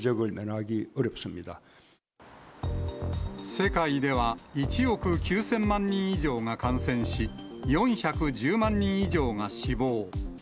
世界では、１億９０００万人以上が感染し、４１０万人以上が死亡。